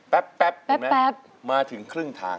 แป๊บมาถึงครึ่งทาง